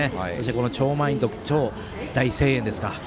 超満員と大声援ですから。